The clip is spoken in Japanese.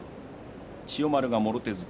千代丸が、もろ手突き。